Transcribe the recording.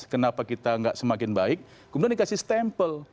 kenapa kita tidak semakin baik kemudian dikasih stempel